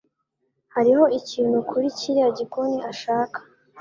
Hariho ikintu kuri kiriya gikoni ashaka.